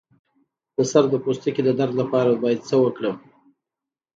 د سر د پوستکي د درد لپاره باید څه وکړم؟